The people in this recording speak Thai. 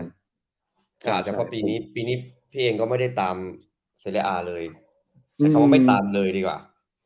แต่พี่นี้พี่เองก็ไม่ได้ตามเสริมอ่าเลยแต่เขาไม่ตามเลยดีกว่า